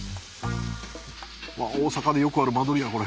大阪でよくある間取りやこれ。